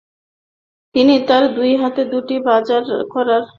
তিনি তার দুই হাতে দুটি বাজার করার থলে বহন করছিলেন।